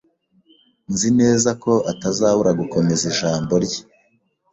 Nzi neza ko atazabura gukomeza ijambo rye.